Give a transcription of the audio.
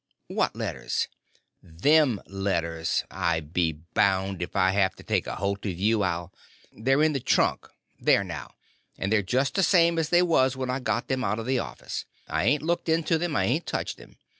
"What letters?" "Them letters. I be bound, if I have to take a holt of you I'll—" "They're in the trunk. There, now. And they're just the same as they was when I got them out of the office. I hain't looked into them, I hain't touched them.